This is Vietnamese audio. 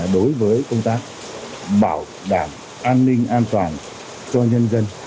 đối với công tác bảo đảm an ninh an toàn cho nhân dân